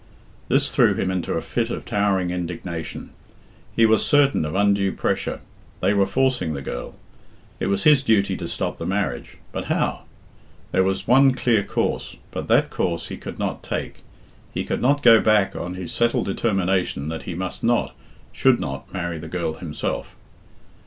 This threw him into a fit of towering indignation. He was certain of undue pressure. They were forcing the girl. It was his duty to stop the marriage. But how? There was one clear course, but that course he could not take. He could not go back on his settled determination that he must not, should not marry the girl himself.